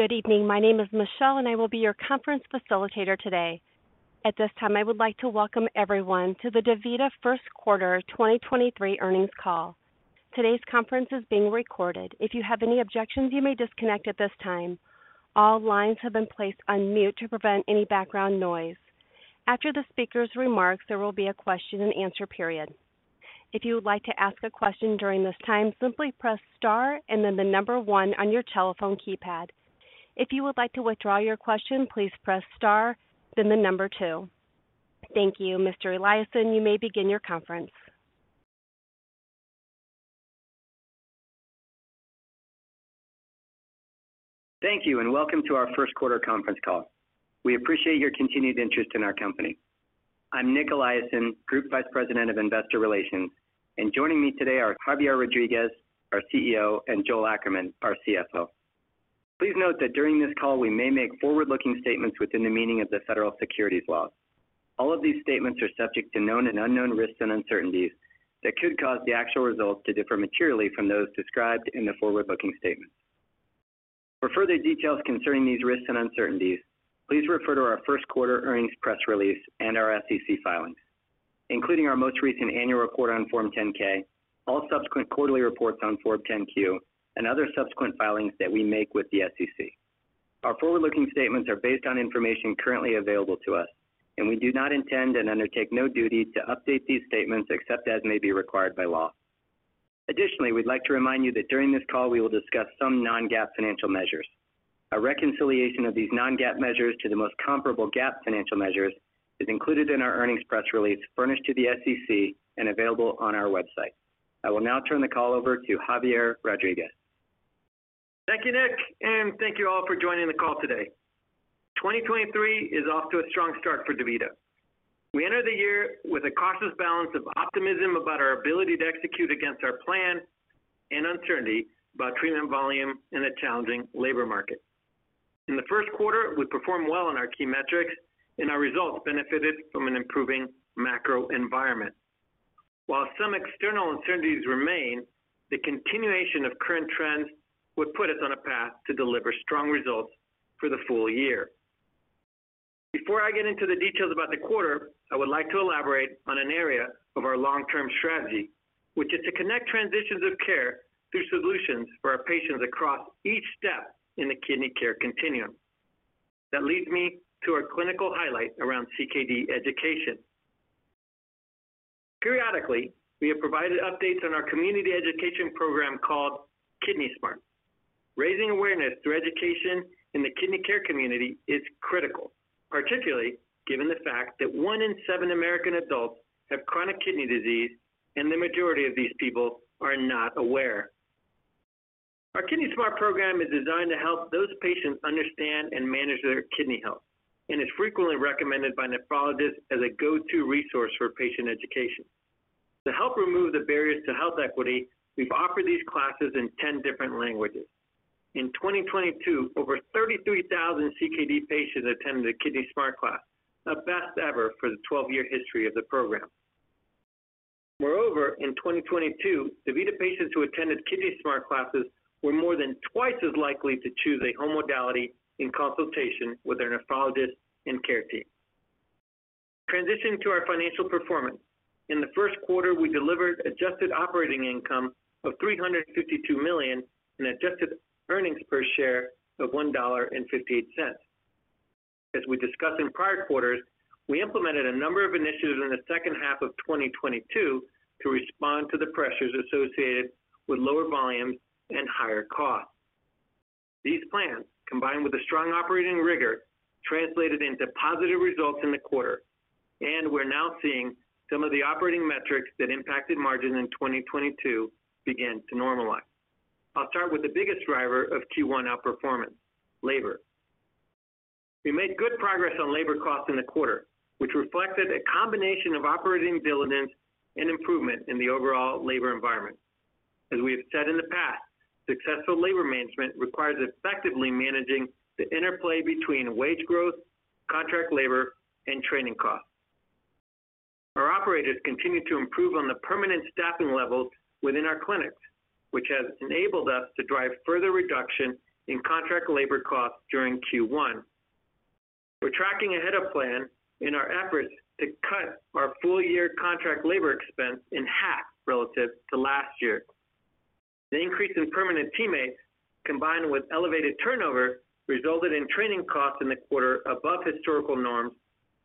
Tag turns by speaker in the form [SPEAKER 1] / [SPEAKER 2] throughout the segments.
[SPEAKER 1] Good evening. My name is Michelle, and I will be your conference facilitator today. At this time, I would like to welcome everyone to the DaVita First Quarter 2023 Earnings Call. Today's conference is being recorded. If you have any objections, you may disconnect at this time. All lines have been placed on mute to prevent any background noise. After the speaker's remarks, there will be a question-and-answer period. If you would like to ask a question during this time, simply press star then one on your telephone keypad. If you would like to withdraw your question, please press star then two. Thank you. Mr. Eliason, you may begin your conference.
[SPEAKER 2] Thank you, and welcome to our first quarter conference call. We appreciate your continued interest in our company. I'm Nic Eliason, Group Vice President of Investor Relations, and joining me today are Javier Rodriguez, our CEO, and Joel Ackerman, our CFO. Please note that during this call, we may make forward-looking statements within the meaning of the federal securities laws. All of these statements are subject to known and unknown risks and uncertainties that could cause the actual results to differ materially from those described in the forward-looking statements. For further details concerning these risks and uncertainties, please refer to our first quarter earnings press release and our SEC filings, including our most recent annual report on Form 10-K, all subsequent quarterly reports on Form 10-Q, and other subsequent filings that we make with the SEC. Our forward-looking statements are based on information currently available to us, and we do not intend and undertake no duty to update these statements except as may be required by law. Additionally, we'd like to remind you that during this call, we will discuss some non-GAAP financial measures. A reconciliation of these non-GAAP measures to the most comparable GAAP financial measures is included in our earnings press release furnished to the SEC and available on our website. I will now turn the call over to Javier Rodriguez.
[SPEAKER 3] Thank you, Nic, and thank you all for joining the call today. 2023 is off to a strong start for DaVita. We enter the year with a cautious balance of optimism about our ability to execute against our plan and uncertainty about treatment volume in a challenging labor market. In the first quarter, we performed well on our key metrics, and our results benefited from an improving macro environment. While some external uncertainties remain, the continuation of current trends would put us on a path to deliver strong results for the full year. Before I get into the details about the quarter, I would like to elaborate on an area of our long-term strategy, which is to connect transitions of care through solutions for our patients across each step in the kidney care continuum. That leads me to our clinical highlight around CKD education. Periodically, we have provided updates on our community education program called Kidney Smart. Raising awareness through education in the kidney care community is critical, particularly given the fact that one in seven American adults have chronic kidney disease and the majority of these people are not aware. Our Kidney Smart program is designed to help those patients understand and manage their kidney health and is frequently recommended by nephrologists as a go-to resource for patient education. To help remove the barriers to health equity, we've offered these classes in ten different languages. In 2022, over 33,000 CKD patients attended a Kidney Smart class, a best ever for the 12-year history of the program. In 2022, DaVita patients who attended Kidney Smart classes were more than twice as likely to choose a home modality in consultation with their nephrologist and care team. Transitioning to our financial performance. In the first quarter, we delivered adjusted operating income of $352 million and adjusted earnings per share of $1.58. As we discussed in prior quarters, we implemented a number of initiatives in the second half of 2022 to respond to the pressures associated with lower volumes and higher costs. These plans, combined with a strong operating rigor, translated into positive results in the quarter, and we're now seeing some of the operating metrics that impacted margin in 2022 begin to normalize. I'll start with the biggest driver of Q1 outperformance, labor. We made good progress on labor costs in the quarter, which reflected a combination of operating diligence and improvement in the overall labor environment. As we have said in the past, successful labor management requires effectively managing the interplay between wage growth, contract labor, and training costs. Our operators continued to improve on the permanent staffing levels within our clinics, which has enabled us to drive further reduction in contract labor costs during Q1. We're tracking ahead of plan in our efforts to cut our full-year contract labor expense in half relative to last year. The increase in permanent teammates, combined with elevated turnover, resulted in training costs in the quarter above historical norms,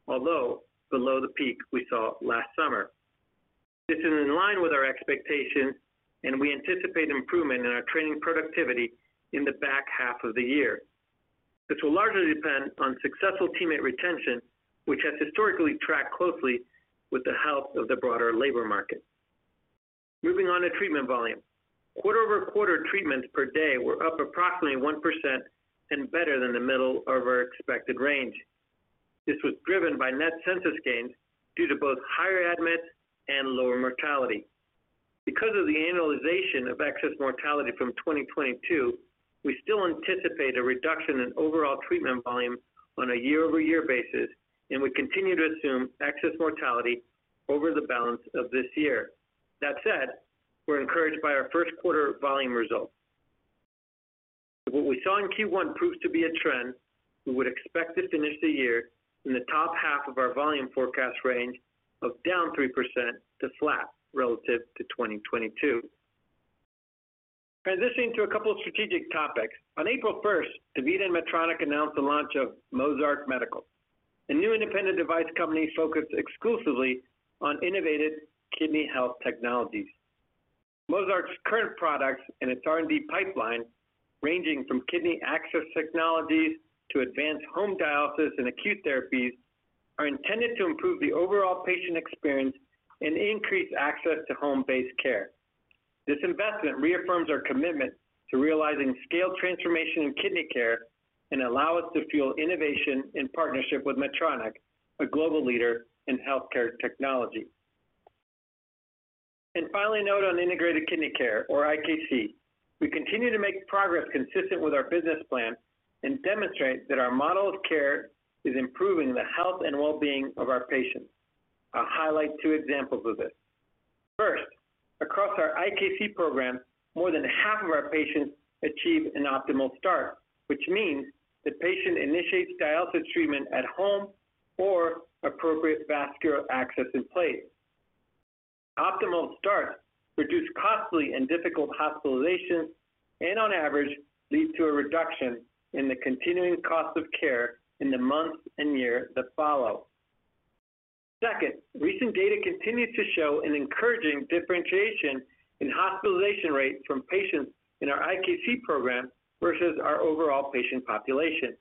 [SPEAKER 3] although below the peak we saw last summer. This is in line with our expectations. We anticipate improvement in our training productivity in the back half of the year. This will largely depend on successful teammate retention, which has historically tracked closely with the health of the broader labor market. Moving on to treatment volume. Quarter-over-quarter treatments per day were up approximately 1% and better than the middle of our expected range. This was driven by net census gains due to both higher admits and lower mortality. Because of the annualization of excess mortality from 2022, we still anticipate a reduction in overall treatment volume on a year-over-year basis, and we continue to assume excess mortality over the balance of this year. That said, we're encouraged by our first quarter volume results. If what we saw in Q1 proves to be a trend, we would expect to finish the year in the top half of our volume forecast range of down 3% to flat relative to 2022. Transitioning to a couple of strategic topics. On April 1st, DaVita and Medtronic announced the launch of Mozarc Medical, a new independent device company focused exclusively on innovative kidney health technologies. Mozarc's current products and its R&D pipeline, ranging from kidney access technologies to advanced home dialysis and acute therapies, are intended to improve the overall patient experience and increase access to home-based care. This investment reaffirms our commitment to realizing scaled transformation in kidney care and allow us to fuel innovation in partnership with Medtronic, a global leader in healthcare technology. Finally, a note on integrated kidney care or IKC. We continue to make progress consistent with our business plan and demonstrate that our model of care is improving the health and well-being of our patients. I'll highlight two examples of this. First, across our IKC program, more than half of our patients achieve an optimal start, which means the patient initiates dialysis treatment at home or appropriate vascular access in place. Optimal starts reduce costly and difficult hospitalizations and on average, lead to a reduction in the continuing cost of care in the months and years that follow. Second, recent data continues to show an encouraging differentiation in hospitalization rates from patients in our IKC program versus our overall patient population.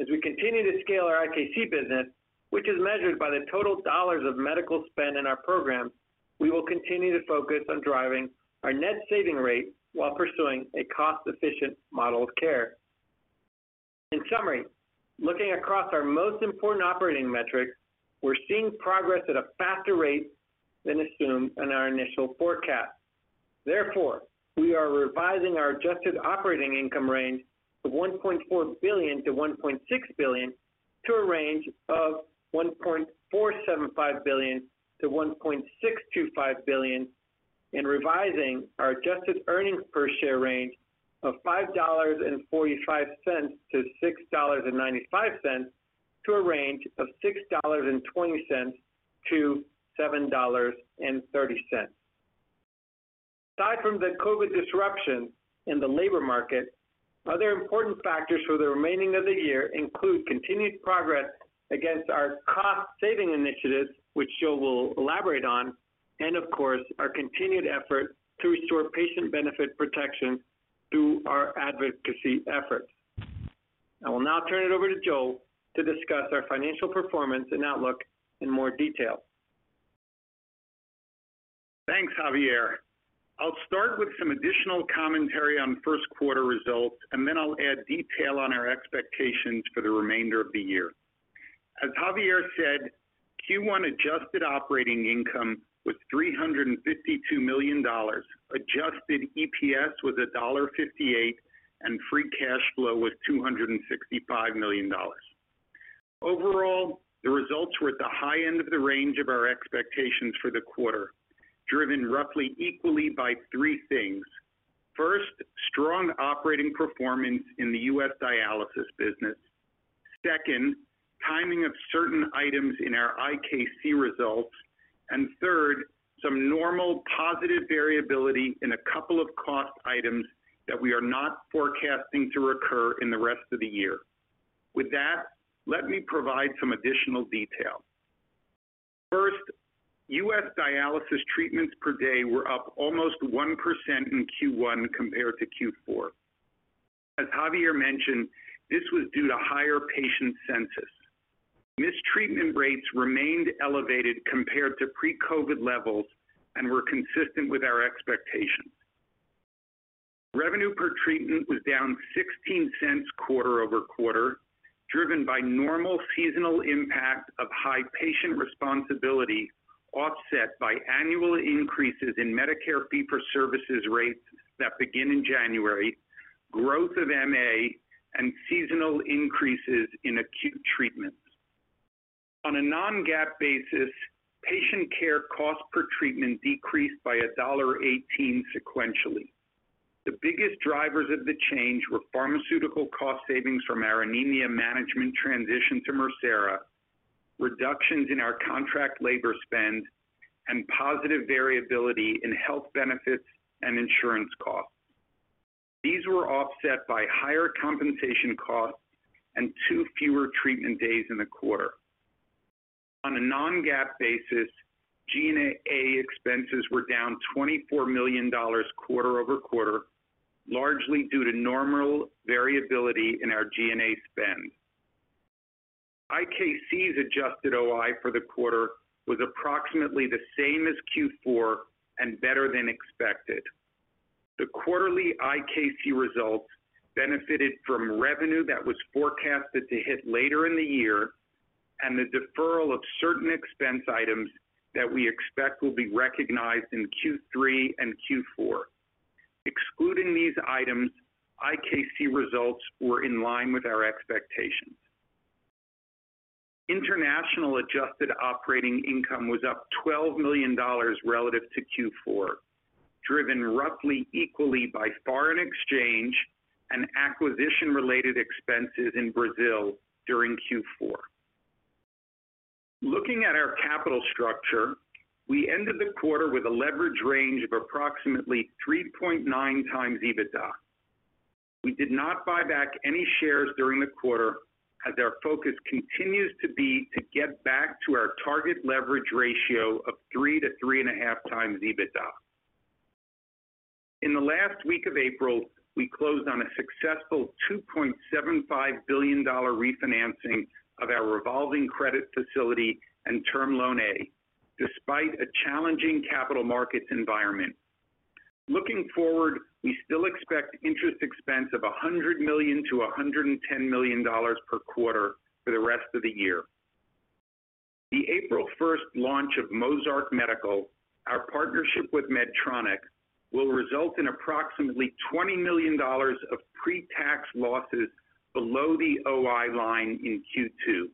[SPEAKER 3] As we continue to scale our IKC business, which is measured by the total dollars of medical spend in our program, we will continue to focus on driving our net saving rate while pursuing a cost-efficient model of care. In summary, looking across our most important operating metrics, we're seeing progress at a faster rate than assumed in our initial forecast. Therefore, we are revising our adjusted operating income range of $1.4 billion-$1.6 billion to a range of $1.475 billion-$1.625 billion, and revising our adjusted earnings per share range of $5.45-$6.95 to a range of $6.20-$7.30. Aside from the COVID disruption in the labor market, other important factors for the remaining of the year include continued progress against our cost-saving initiatives, which Joe will elaborate on, and of course, our continued effort to restore patient benefit protection through our advocacy efforts. I will now turn it over to Joe to discuss our financial performance and outlook in more detail.
[SPEAKER 4] Thanks, Javier. I'll start with some additional commentary on first quarter results. Then I'll add detail on our expectations for the remainder of the year. As Javier said, Q1 adjusted operating income was $352 million. Adjusted EPS was $1.58. Free cash flow was $265 million. Overall, the results were at the high end of the range of our expectations for the quarter, driven roughly equally by three things. First, strong operating performance in the U.S. dialysis business. Second, timing of certain items in our IKC results. Third, some normal positive variability in a couple of cost items that we are not forecasting to recur in the rest of the year. With that, let me provide some additional detail. First, U.S. dialysis treatments per day were up almost 1% in Q1 compared to Q4. As Javier mentioned, this was due to higher patient census. Mistreatment rates remained elevated compared to pre-COVID levels and were consistent with our expectations. Revenue per treatment was down $0.16 quarter-over-quarter, driven by normal seasonal impact of high patient responsibility, offset by annual increases in Medicare fee-for-service rates that begin in January, growth of MA, and seasonal increases in acute treatments. On a non-GAAP basis, patient care cost per treatment decreased by $1.18 sequentially. The biggest drivers of the change were pharmaceutical cost savings from our anemia management transition to Mircera, reductions in our contract labor spend, and positive variability in health benefits and insurance costs. These were offset by higher compensation costs and two fewer treatment days in the quarter. On a non-GAAP basis, G&A expenses were down $24 million quarter-over-quarter, largely due to normal variability in our G&A spend. IKC's adjusted OI for the quarter was approximately the same as Q4 and better than expected. The quarterly IKC results benefited from revenue that was forecasted to hit later in the year and the deferral of certain expense items that we expect will be recognized in Q3 and Q4. Excluding these items, IKC results were in line with our expectations. International adjusted operating income was up $12 million relative to Q4, driven roughly equally by foreign exchange and acquisition related expenses in Brazil during Q4. Looking at our capital structure, we ended the quarter with a leverage range of approximately 3.9x EBITDA. We did not buy back any shares during the quarter as our focus continues to be to get back to our target leverage ratio of 3x-3.5x EBITDA. In the last week of April, we closed on a successful $2.75 billion refinancing of our revolving credit facility and Term Loan A despite a challenging capital markets environment. Looking forward, we still expect interest expense of $100 million-$110 million per quarter for the rest of the year. The April first launch of Mozarc Medical, our partnership with Medtronic, will result in approximately $20 million of pre-tax losses below the OI line in Q2.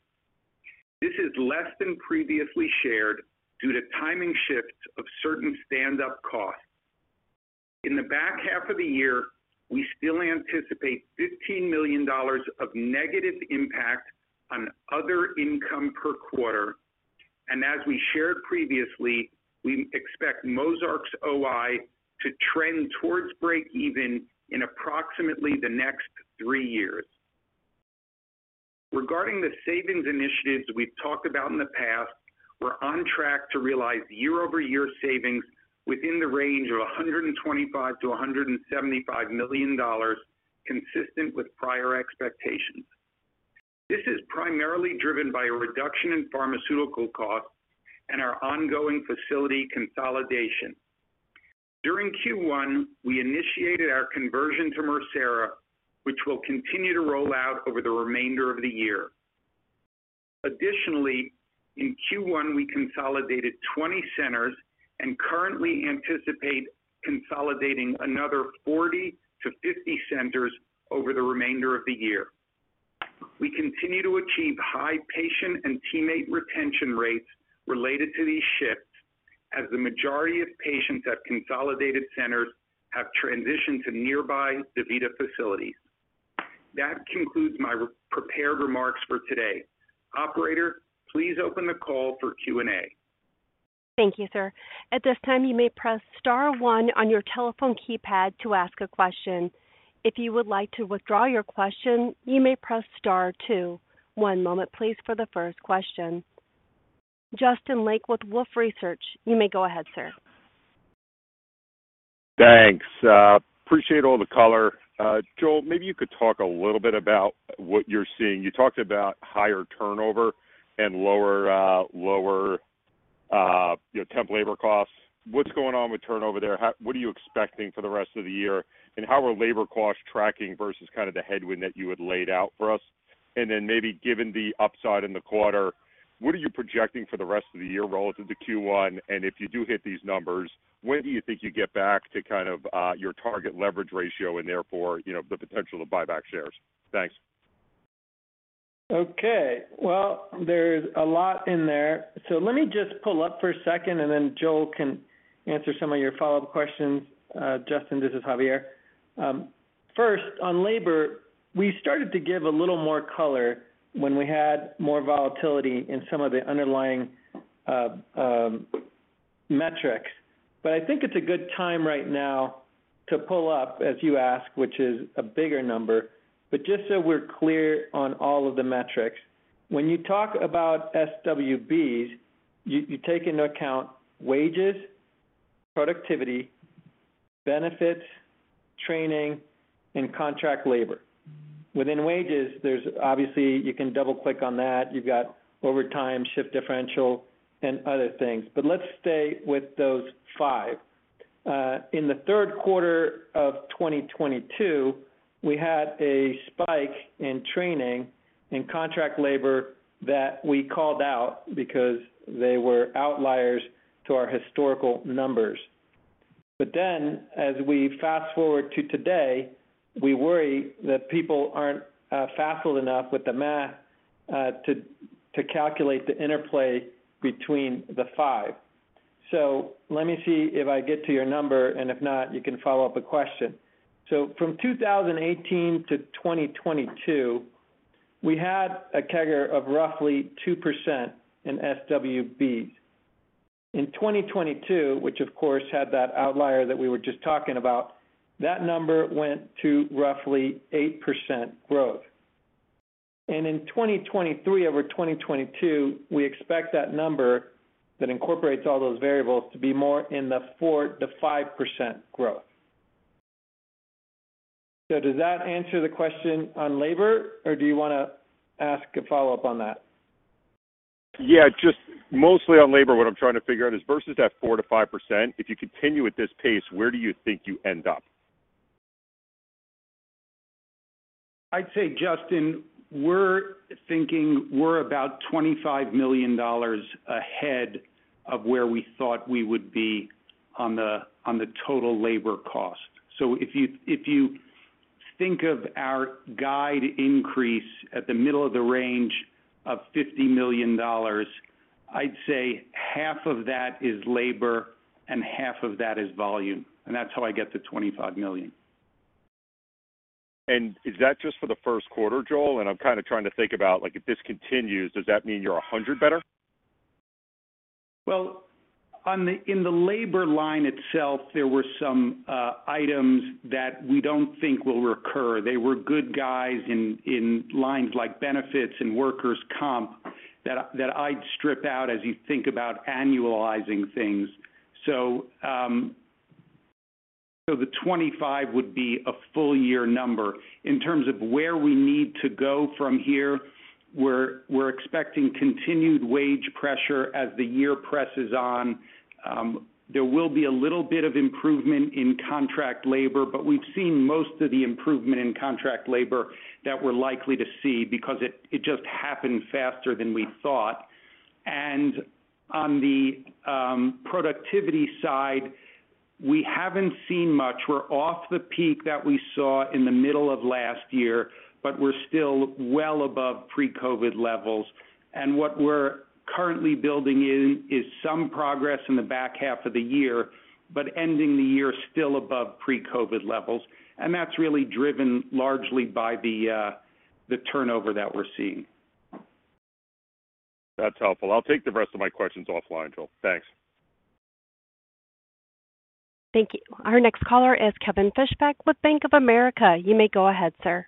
[SPEAKER 4] This is less than previously shared due to timing shifts of certain standup costs. In the back half of the year, we still anticipate $15 million of negative impact on other income per quarter. As we shared previously, we expect Mozarc's OI to trend towards breakeven in approximately the next three years. Regarding the savings initiatives we've talked about in the past, we're on track to realize year-over-year savings within the range of $125 million-$175 million, consistent with prior expectations. This is primarily driven by a reduction in pharmaceutical costs and our ongoing facility consolidation. During Q1, we initiated our conversion to Mircera, which will continue to roll out over the remainder of the year. In Q1, we consolidated 20 centers and currently anticipate consolidating another 40-50 centers over the remainder of the year. We continue to achieve high patient and teammate retention rates related to these shifts as the majority of patients at consolidated centers have transitioned to nearby DaVita facilities. That concludes my prepared remarks for today. Operator, please open the call for Q&A.
[SPEAKER 1] Thank you, sir. At this time, you may press star one on your telephone keypad to ask a question. If you would like to withdraw your question, you may press star two. One moment please for the first question. Justin Lake with Wolfe Research. You may go ahead, sir.
[SPEAKER 5] Thanks. Appreciate all the color. Joel, maybe you could talk a little bit about what you're seeing. You talked about higher turnover and lower, you know, temp labor costs. What's going on with turnover there? What are you expecting for the rest of the year? How are labor costs tracking versus kind of the headwind that you had laid out for us? Maybe given the upside in the quarter, what are you projecting for the rest of the year relative to Q1? If you do hit these numbers, when do you think you get back to kind of, your target leverage ratio and therefore, you know, the potential to buy back shares? Thanks.
[SPEAKER 3] Well, there's a lot in there. Let me just pull up for a second, and then Joel can answer some of your follow-up questions. Justin, this is Javier. First, on labor, we started to give a little more color when we had more volatility in some of the underlying metrics. I think it's a good time right now to pull up as you ask, which is a bigger number. Just so we're clear on all of the metrics, when you talk about SWBs, you take into account wages, productivity, benefits, training, and contract labor. Within wages, there's obviously you can double-click on that. You've got overtime, shift differential, and other things, but let's stay with those five. In the third quarter of 2022, we had a spike in training and contract labor that we called out because they were outliers to our historical numbers. As we fast-forward to today, we worry that people aren't facile enough with the math to calculate the interplay between the five. Let me see if I get to your number, and if not, you can follow up with a question. From 2018-2022, we had a CAGR of roughly 2% in SWBs. In 2022, which of course had that outlier that we were just talking about, that number went to roughly 8% growth. In 2023 over 2022, we expect that number that incorporates all those variables to be more in the 4%-5% growth. Does that answer the question on labor, or do you wanna ask a follow-up on that?
[SPEAKER 5] Yeah, just mostly on labor. What I'm trying to figure out is versus that 4%-5%, if you continue at this pace, where do you think you end up?
[SPEAKER 4] I'd say, Justin, we're thinking we're about $25 million ahead of where we thought we would be on the total labor cost. If you Think of our guide increase at the middle of the range of $50 million. I'd say half of that is labor and half of that is volume. That's how I get to $25 million.
[SPEAKER 5] Is that just for the first quarter, Joel? I'm kinda trying to think about, like, if this continues, does that mean you're $100 better?
[SPEAKER 4] In the labor line itself, there were some items that we don't think will recur. They were good guys in lines like benefits and workers comp that I'd strip out as you think about annualizing things. The 25 would be a full year number. In terms of where we need to go from here, we're expecting continued wage pressure as the year presses on. There will be a little bit of improvement in contract labor, but we've seen most of the improvement in contract labor that we're likely to see because it just happened faster than we thought. On the productivity side, we haven't seen much. We're off the peak that we saw in the middle of last year, but we're still well above pre-COVID levels. What we're currently building in is some progress in the back half of the year, but ending the year still above pre-COVID levels. That's really driven largely by the turnover that we're seeing.
[SPEAKER 5] That's helpful. I'll take the rest of my questions offline, Joel. Thanks.
[SPEAKER 1] Thank you. Our next caller is Kevin Fischbeck with Bank of America. You may go ahead, sir.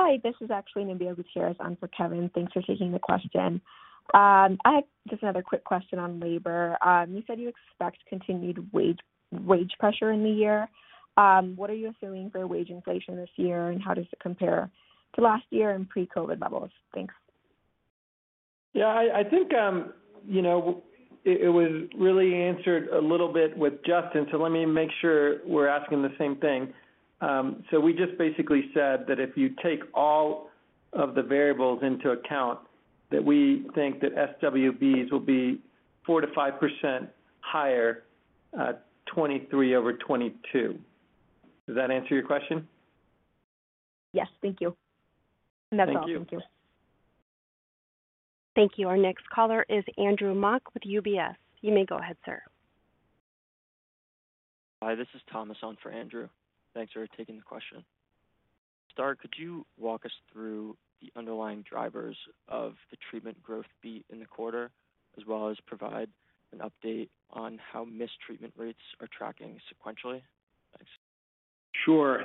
[SPEAKER 6] Hi, this is actually Nambia Gutierrez on for Kevin. Thanks for taking the question. I had just another quick question on labor. You said you expect continued wage pressure in the year. What are you assuming for wage inflation this year, and how does it compare to last year and pre-COVID levels? Thanks.
[SPEAKER 3] Yeah, I think, you know, it was really answered a little bit with Justin, so let me make sure we're asking the same thing. We just basically said that if you take all of the variables into account, that we think that SWBs will be 4%-5% higher, 2023 over 2022. Does that answer your question?
[SPEAKER 6] Yes. Thank you.
[SPEAKER 3] Thank you.
[SPEAKER 6] That's all. Thank you.
[SPEAKER 1] Thank you. Our next caller is Andrew Mok with UBS. You may go ahead, sir.
[SPEAKER 7] Hi, this is Thomas on for Andrew. Thanks for taking the question. Javier, could you walk us through the underlying drivers of the treatment growth beat in the quarter, as well as provide an update on how missed treatment rates are tracking sequentially? Thanks.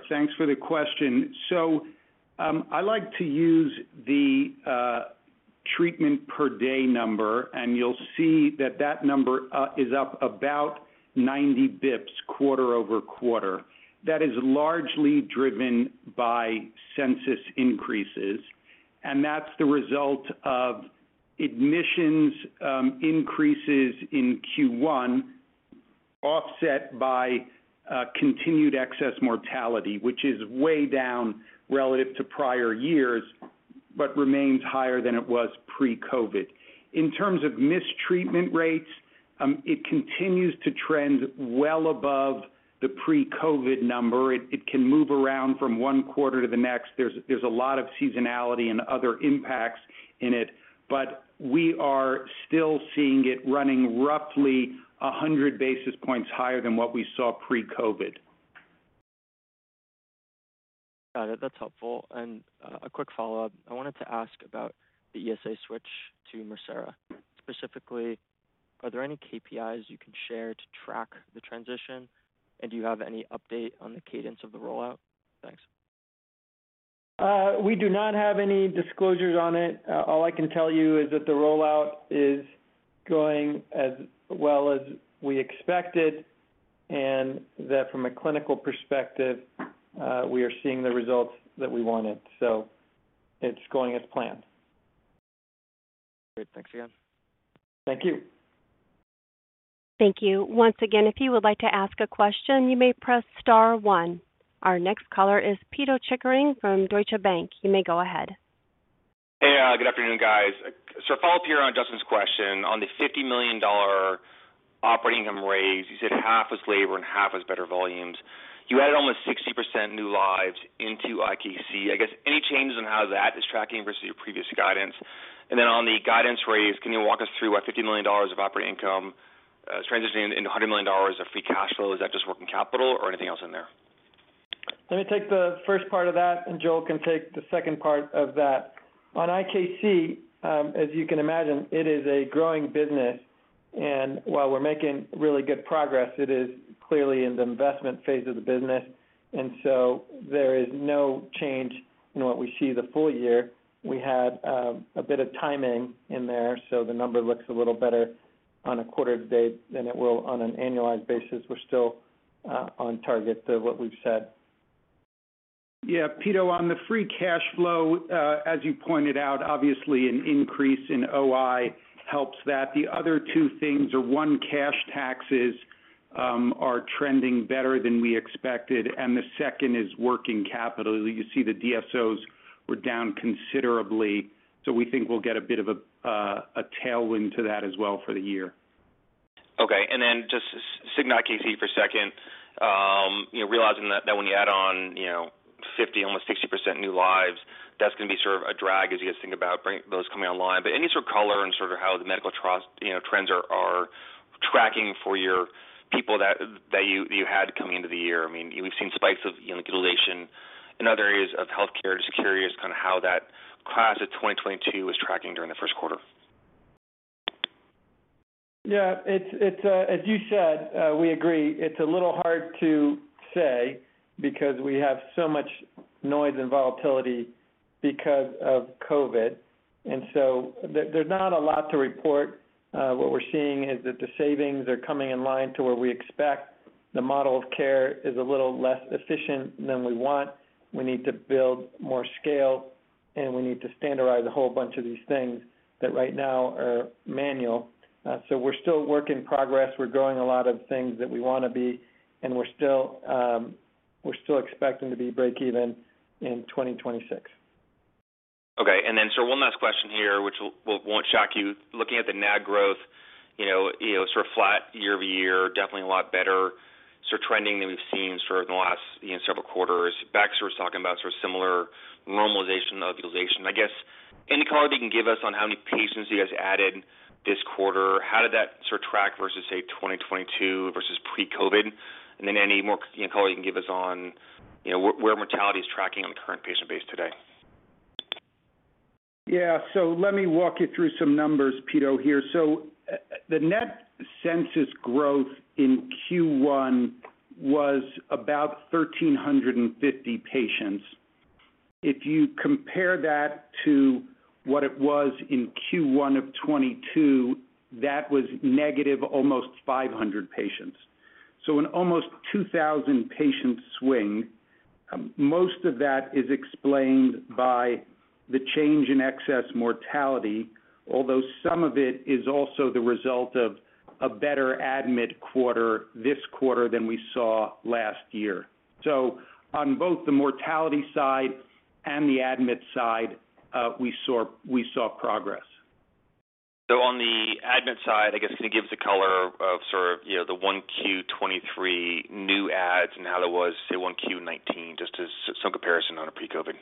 [SPEAKER 3] Thanks for the question. I like to use the treatment per day number, and you'll see that that number is up about 90 basis points quarter-over-quarter. That is largely driven by census increases, and that's the result of admissions increases in Q1, offset by continued excess mortality, which is way down relative to prior years, but remains higher than it was pre-COVID. In terms of mistreatment rates, it continues to trend well above the pre-COVID number. It can move around from one quarter to the next. There's a lot of seasonality and other impacts in it, but we are still seeing it running roughly 100 basis points higher than what we saw pre-COVID.
[SPEAKER 7] Got it. That's helpful. A quick follow-up. I wanted to ask about the ESA switch to Mircera. Specifically, are there any KPIs you can share to track the transition, and do you have any update on the cadence of the rollout? Thanks.
[SPEAKER 3] We do not have any disclosures on it. All I can tell you is that the rollout is going as well as we expected, and that from a clinical perspective, we are seeing the results that we wanted. It's going as planned.
[SPEAKER 7] Great. Thanks again.
[SPEAKER 3] Thank you.
[SPEAKER 1] Thank you. Once again, if you would like to ask a question, you may press star one. Our next caller is Peter Chickering from Deutsche Bank. You may go ahead.
[SPEAKER 8] Hey, good afternoon, guys. A follow-up here on Justin's question. On the $50 million operating raise, you said half was labor and half was better volumes. You added almost 60% new lives into IKC. I guess, any changes on how that is tracking versus your previous guidance? On the guidance raise, can you walk us through why $50 million of operating income, transitioning into $100 million of free cash flow? Is that just working capital or anything else in there?
[SPEAKER 3] Let me take the first part of that, and Joel can take the second part of that. On IKC, as you can imagine, it is a growing business. While we're making really good progress, it is clearly in the investment phase of the business. There is no change in what we see the full year. We had a bit of timing in there, so the number looks a little better on a quarter to date than it will on an annualized basis. We're still on target to what we've said.
[SPEAKER 4] Yeah, Peter, on the free cash flow, as you pointed out, obviously an increase in OI helps that. The other two things are, one, cash taxes, are trending better than we expected, and the second is working capital. You see the DSOs were down considerably, so we think we'll get a bit of a tailwind to that as well for the year.
[SPEAKER 8] Just Cigna IKC for a second, you know, realizing that when you add on, you know, 50, almost 60% new lives, that's gonna be sort of a drag as you guys think about those coming online. Any sort of color on sort of how the medical trust, you know, trends are tracking for your people that you had coming into the year. I mean, we've seen spikes of, you know, utilization in other areas of healthcare. Just curious kind of how that class of 2022 was tracking during the first quarter.
[SPEAKER 3] Yeah, it's as you said, we agree. It's a little hard to say because we have so much noise and volatility because of COVID. There's not a lot to report. What we're seeing is that the savings are coming in line to where we expect. The model of care is a little less efficient than we want. We need to build more scale, and we need to standardize a whole bunch of these things that right now are manual. We're still work in progress. We're growing a lot of things that we wanna be, and we're still expecting to be break even in 2026.
[SPEAKER 8] One last question here, which won't shock you. Looking at the NAG growth, you know, sort of flat year-over-year, definitely a lot better sort of trending than we've seen sort of in the last, you know, several quarters. Baxter was talking about sort of similar normalization of utilization. I guess, any color that you can give us on how many patients you guys added this quarter, how did that sort of track versus, say, 2022 versus pre-COVID? Any more, you know, color you can give us on, you know, where mortality is tracking on the current patient base today?
[SPEAKER 3] Yeah, so let me walk you through some numbers Peter here. So the net census growth in Q1 was about 1,350 patients. If you compare that to what it was in Q1 of 2022, that was negative almost 500 patients. So an almost 2,000-patient swing. Most of that is explained by the change in excess mortality, although some of it is also the result of a better admit quarter this quarter than we saw last year. So on both the mortality side and the admit side, we saw progress.
[SPEAKER 8] So on the admin side, I guess to give the color for the 1Q 2023 new ads and how that was to 1Q 2019, just as a comparison on a pre-COVID.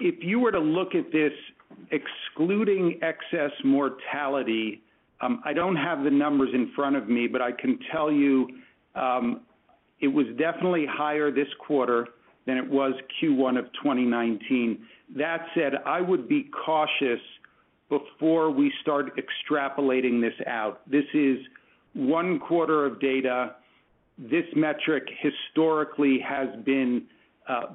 [SPEAKER 3] If you were to look at this excluding excess mortality, I don't have the numbers in front of me, but I can tell you, it was definitely higher this quarter than it was Q1 of 2019. That said, I would be cautious before we start extrapolating this out. This is one quarter of data. This metric historically has been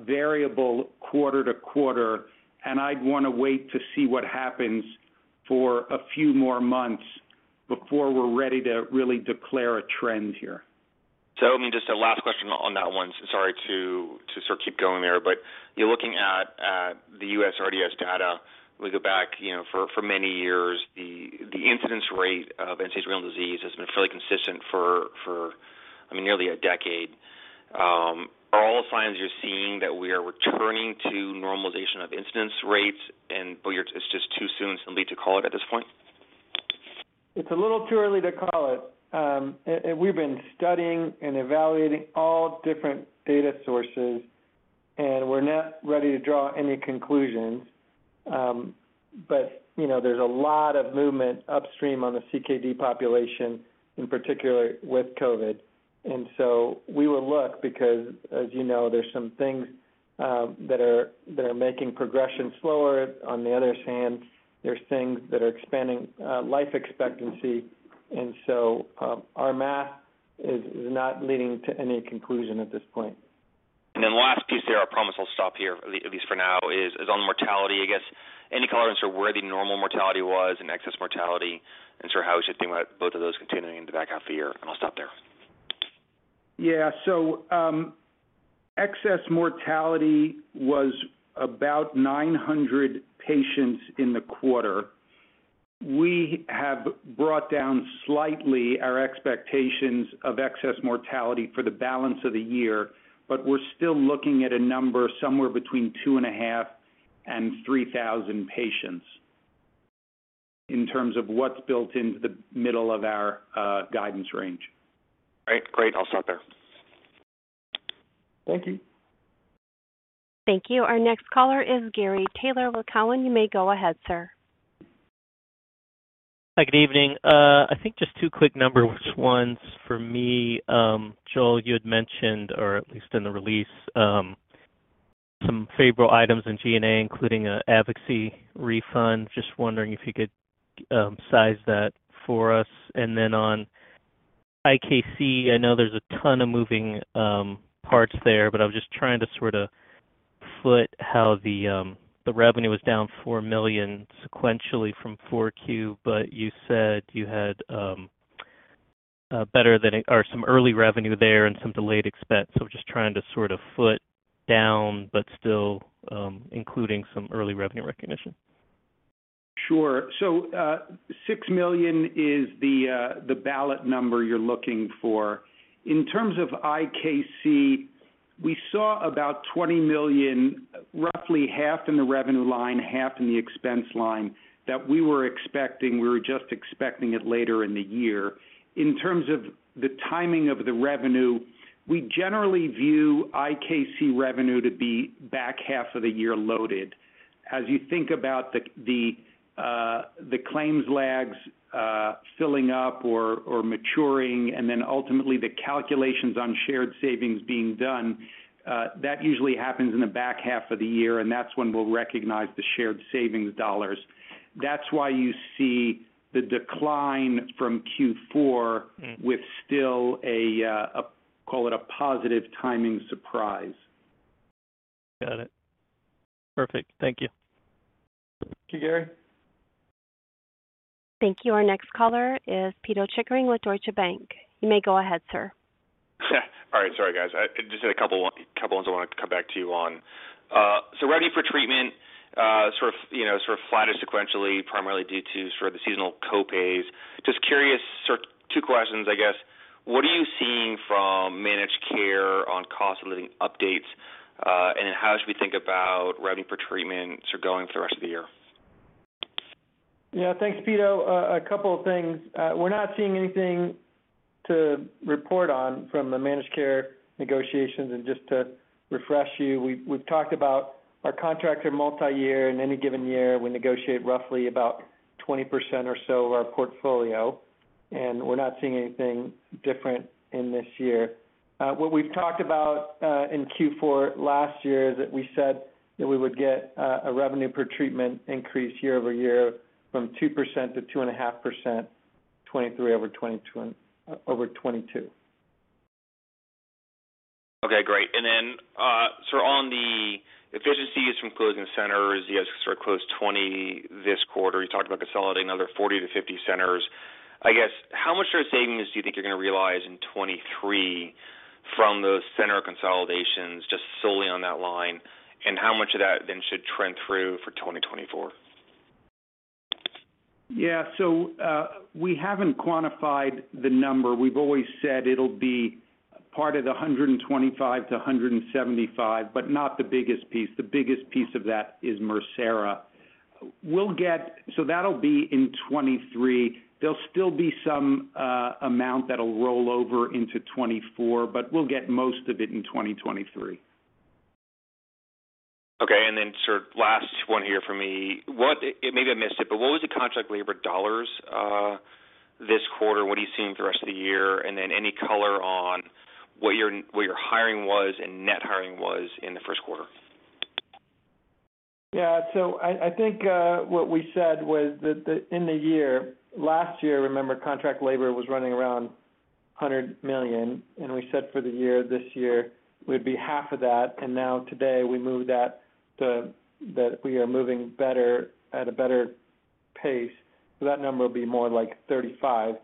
[SPEAKER 3] variable quarter to quarter, and I'd wanna wait to see what happens for a few more months before we're ready to really declare a trend here.
[SPEAKER 8] I mean, just a last question on that one. Sorry to sort of keep going there, but you're looking at the USRDS data. We go back, you know, for many years, the incidence rate of end-stage renal disease has been fairly consistent for, I mean, nearly a decade. Are all the signs you're seeing that we are returning to normalization of incidence rates or it's just too soon simply to call it at this point?
[SPEAKER 3] It's a little too early to call it. We've been studying and evaluating all different data sources, and we're not ready to draw any conclusions. You know, there's a lot of movement upstream on the CKD population, in particular with COVID. We will look because, as you know, there's some things that are making progression slower. On the other hand, there's things that are expanding life expectancy. Our math is not leading to any conclusion at this point.
[SPEAKER 8] Last piece there, I promise I'll stop here, at least for now, is on mortality. I guess any comments on where the normal mortality was and excess mortality, and sort of how we should think about both of those continuing in the back half of the year, I'll stop there.
[SPEAKER 3] Excess mortality was about 900 patients in the quarter. We have brought down slightly our expectations of excess mortality for the balance of the year, but we're still looking at a number somewhere between 2,500 and 3,000 patients in terms of what's built into the middle of our guidance range.
[SPEAKER 8] All right. Great. I'll stop there.
[SPEAKER 3] Thank you.
[SPEAKER 1] Thank you. Our next caller is Gary Taylor with Cowen. You may go ahead, sir.
[SPEAKER 9] Hi. Good evening. I think just two quick number ones for me. Joel, you had mentioned, or at least in the release, some favorable items in G&A, including a advocacy refund. Just wondering if you could size that for us. On IKC, I know there's a ton of moving parts there, but I was just trying to sort of foot how the revenue was down $4 million sequentially from 4Q, but you said you had or some early revenue there and some delayed expense. Just trying to sort of foot down, but still, including some early revenue recognition.
[SPEAKER 10] Sure. Six million is the ballot number you're looking for. In terms of IKC, we saw about $20 million, roughly half in the revenue line, half in the expense line, that we were expecting. We were just expecting it later in the year. In terms of the timing of the revenue, we generally view IKC revenue to be back half of the year loaded. As you think about the claims lags filling up or maturing and then ultimately the calculations on shared savings being done, that usually happens in the back half of the year, and that's when we'll recognize the shared savings dollars. That's why you see the decline from Q4.
[SPEAKER 8] Mm-hmm.
[SPEAKER 10] with still a call it a positive timing surprise.
[SPEAKER 11] Got it. Perfect. Thank you.
[SPEAKER 3] Thank you, Gary.
[SPEAKER 1] Thank you. Our next caller is Peter Chickering with Deutsche Bank. You may go ahead, sir.
[SPEAKER 8] All right. Sorry, guys. I just had a couple ones I wanted to come back to you on. Revenue for treatment, sort of, you know, flatted sequentially, primarily due to sort of the seasonal co-pays. Just curious, sort of two questions, I guess. What are you seeing from managed care on cost of living updates? How should we think about revenue per treatment sort of going through the rest of the year?
[SPEAKER 3] Thanks, Peter. A couple of things. We're not seeing anything to report on from the managed care negotiations. Just to refresh you, we've talked about our contracts are multi-year. In any given year, we negotiate roughly about 20% or so of our portfolio, and we're not seeing anything different in this year. What we've talked about in Q4 2022 that we said that we would get a revenue per treatment increase year-over-year from 2%-2.5%, 2023 over 2022.
[SPEAKER 8] Okay, great. On the efficiencies from closing centers, you guys sort of closed 20 this quarter. You talked about consolidating another 40-50 centers. I guess, how much sort of savings do you think you're gonna realize in 2023 from those center consolidations just solely on that line? How much of that then should trend through for 2024?
[SPEAKER 3] Yeah. We haven't quantified the number. We've always said it'll be part of the $125-$175, but not the biggest piece. The biggest piece of that is Mircera. That'll be in 2023. There'll still be some amount that'll roll over into 2024, but we'll get most of it in 2023.
[SPEAKER 8] Okay. Sort of last one here for me. Maybe I missed it, but what was the contract labor dollars, this quarter? What are you seeing for the rest of the year? Any color on what your, what your hiring was and net hiring was in the first quarter?
[SPEAKER 3] I think what we said was that the, in the year, last year, remember, contract labor was running around $100 million, and we said for the year this year would be half of that. Now today we move that we are moving better, at a better pace. That number will be more like $35 million.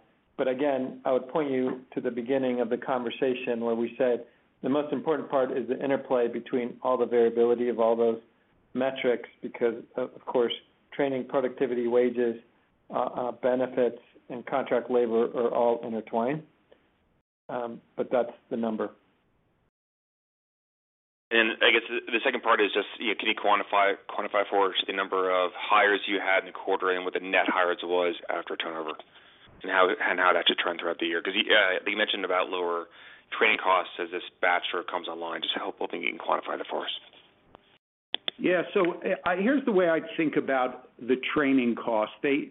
[SPEAKER 3] Again, I would point you to the beginning of the conversation where we said the most important part is the interplay between all the variability of all those metrics, because of course, training, productivity, wages, benefits and contract labor are all intertwined. That's the number.
[SPEAKER 8] I guess the second part is just, you know, can you quantify for us the number of hires you had in the quarter and what the net hires was after turnover and how that should trend throughout the year? You mentioned about lower training costs as this batch sort of comes online. Just helpful if you can quantify that for us.
[SPEAKER 3] Yeah. Here's the way I think about the training costs. They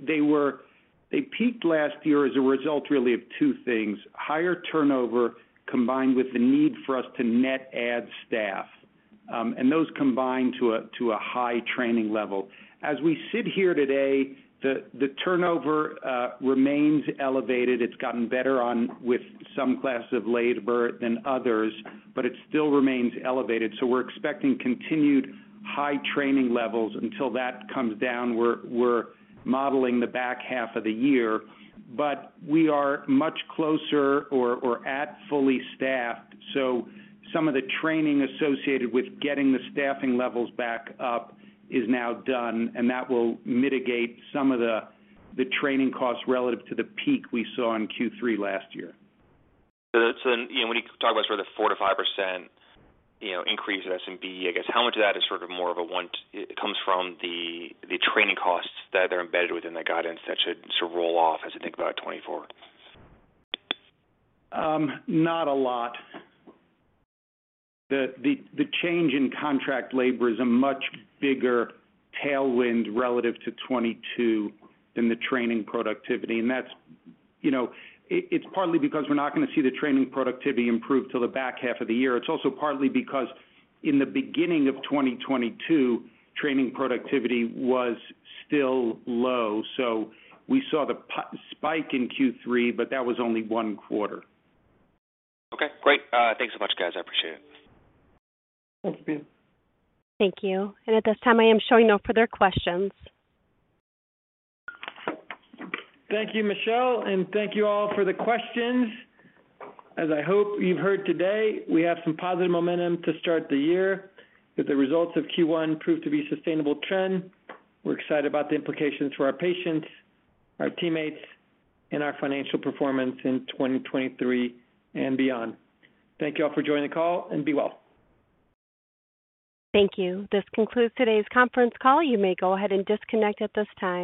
[SPEAKER 3] peaked last year as a result really of two things, higher turnover combined with the need for us to net add staff. Those combined to a high training level. As we sit here today, the turnover remains elevated. It's gotten better on with some classes of labor than others, but it still remains elevated. We're expecting continued high training levels until that comes down, we're modeling the back half of the year. We are much closer or at fully staffed. Some of the training associated with getting the staffing levels back up is now done, and that will mitigate some of the training costs relative to the peak we saw in Q3 last year.
[SPEAKER 8] When you talk about sort of the 4%-5%, you know, increase in SWB, I guess how much of that is sort of more of a one-- It comes from the training costs that are embedded within the guidance that should sort of roll off as we think about 2024?
[SPEAKER 3] Not a lot. The change in contract labor is a much bigger tailwind relative to 2022 than the training productivity. That's, you know... It's partly because we're not gonna see the training productivity improve till the back half of the year. It's also partly because in the beginning of 2022, training productivity was still low. We saw the spike in Q3, but that was only one quarter.
[SPEAKER 8] Okay, great. thanks so much, guys. I appreciate it.
[SPEAKER 3] Thanks, Peter.
[SPEAKER 1] Thank you. At this time, I am showing no further questions.
[SPEAKER 3] Thank you, Michelle, and thank you all for the questions. As I hope you've heard today, we have some positive momentum to start the year. If the results of Q1 prove to be a sustainable trend, we're excited about the implications for our patients, our teammates, and our financial performance in 2023 and beyond. Thank you all for joining the call and be well.
[SPEAKER 1] Thank you. This concludes today's conference call. You may go ahead and disconnect at this time.